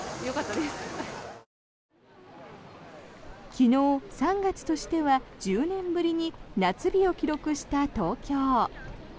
昨日３月としては１０年ぶりに夏日を記録した東京。